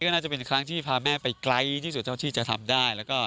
ก็น่าจะเป็นครั้งที่พาแม่ไปไกลที่สุดเท่าที่จะทำได้